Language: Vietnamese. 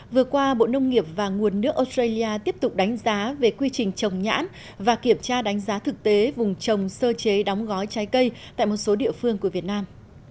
vừa qua bộ nông nghiệp và nguồn nước australia tiếp tục đánh giá về quy trình trồng nhãn và kiểm tra đánh giá thực tế vùng trồng sơ chế đóng gói trái cây tại một số địa phương của việt nam